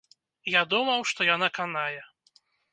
Я думаў, што яна канае.